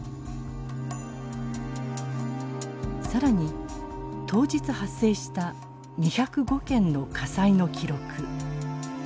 更に当日発生した２０５件の火災の記録。